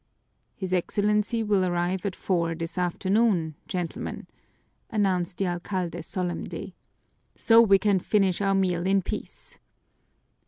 "His Excellency will arrive at four this afternoon, gentlemen!" announced the alcalde solemnly. "So we can finish our meal in peace."